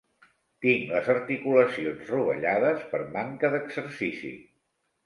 Tinc les articulacions rovellades per manca d'exercici.